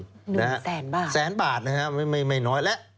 แสนบาทแสนบาทนะฮะไม่น้อยแล้ว